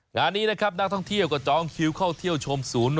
งานนี้นะครับนักท่องเที่ยวก็จองคิวเข้าเที่ยวชมศูนย์